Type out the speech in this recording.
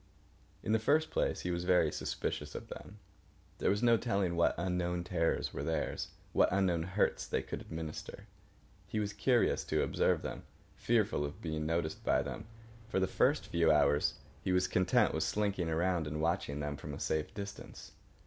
In the first place he was very suspicious of them. There was no telling what unknown terrors were theirs, what unknown hurts they could administer. He was curious to observe them, fearful of being noticed by them. For the first few hours he was content with slinking around and watching them from a safe distance.